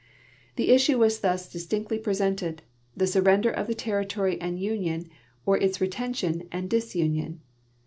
'' The issue was thus distinctl 3^ presented, the surrender of the territoiy and union, or its retention and disunion.